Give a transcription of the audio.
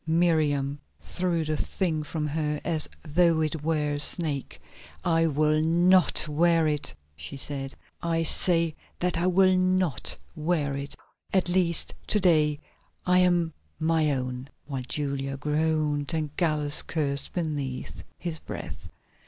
Miriam threw the thing from her as though it were a snake. "I will not wear it," she said. "I say that I will not wear it; at least to day I am my own," while Julia groaned and Gallus cursed beneath his breath.